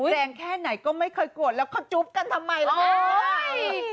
แรงแค่ไหนก็ไม่เคยกวนแล้วเขาจุ๊บกันทำไมล่ะคุณผู้ชม